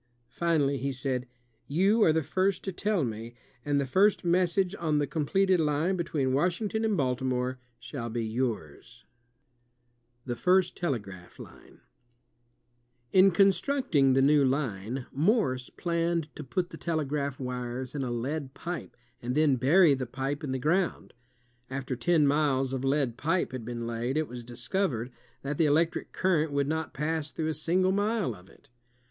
Finally he said, "You are the first to tell me, and the first message on the completed line be tween Washington and Baltimore shall be yours." TELLING MOESE ABOUT TEE PASSAGE OF 226 INVENTIONS OF PRINTING AND COMMUNICATION The First Telegraph Line In constructing the new line, Morse planned to put the telegraph wires in a lead pipe and then bury the pipe in the ground. After ten miles of lead pipe had been laid, it was discovered that the electric current would not pass through a single mile of it.